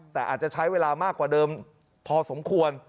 แต่อาจจะใช้เวลามากกว่าเดิมพอสมควร